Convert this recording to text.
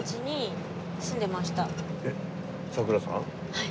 はい。